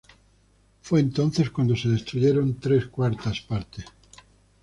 Fue entonces cuando se destruyeron tres cuartas partes.